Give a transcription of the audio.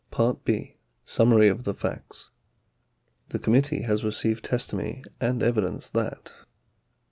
B. Summary or Facts The committee has received testimony and evidence that : 1.